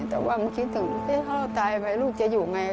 แต่ว่ามันคิดถึงที่พ่อตายไปลูกจะอยู่ไง